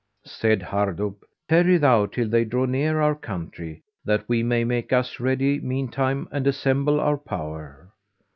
Said Hardub, "Tarry thou till they draw near our country, that we may make us ready meantime and assemble our power."